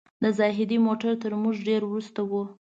د زاهدي موټر تر موږ ډېر وروسته و.